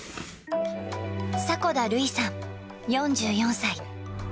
迫田塁さん４４歳。